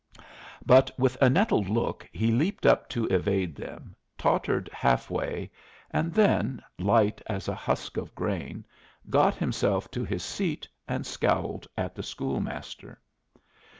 But with a nettled look he leaped up to evade them, tottered half way, and then, light as a husk of grain, got himself to his seat and scowled at the schoolmaster.